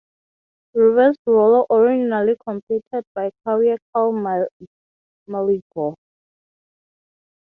Reverse Rollo: Originally completed by Kauai's Kyle Maligro.